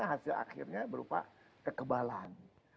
hasil akhirnya berupa kekebalan